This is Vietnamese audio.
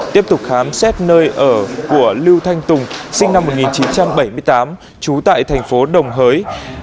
tiếp tục khám xét nơi ở của lưu thanh tùng sinh năm một nghìn chín trăm bảy mươi tám trú tại thành phố đồng hới